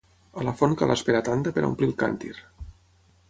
A la font cal esperar tanda per a omplir el càntir.